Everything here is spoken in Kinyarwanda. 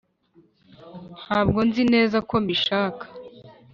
ntabwo nzi neza ko mbishaka